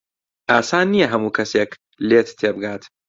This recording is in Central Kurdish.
ئاسان نییە هەموو کەسێک لێت تێبگات.